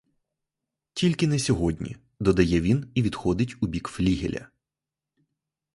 Тільки не сьогодні, — додає він і відходить у бік флігеля.